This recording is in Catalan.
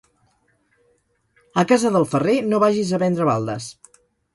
A casa del ferrer no vagis a vendre baldes.